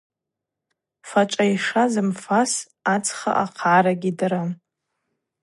Фачӏв айша зымфас ацха ахъгӏара гьидырам.